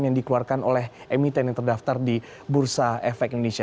yang dikeluarkan oleh emiten yang terdaftar di bursa efek indonesia